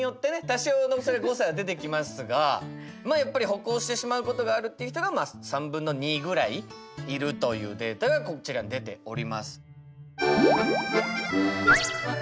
多少の誤差は出てきますがまあやっぱり歩行してしまうことがあるっていう人が３分の２ぐらいいるというデータがこちらに出ております。